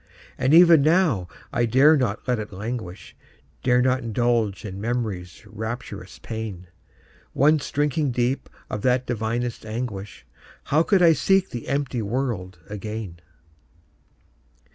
And even now, I dare not let it languish, Dare not indulge in Memory's rapturous pain; Once drinking deep of that divinest anguish, How could I seek the empty world again?